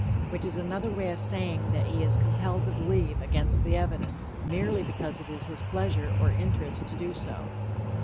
Which is another way of saying that he is "compelled to believe" against the evidence, merely because it is his pleasure or interest to do so.